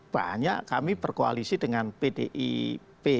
banyak kami berkoalisi dengan pdip